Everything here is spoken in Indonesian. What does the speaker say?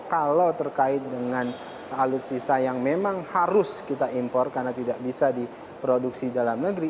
jadi dengan alutsista yang memang harus kita impor karena tidak bisa diproduksi dalam negeri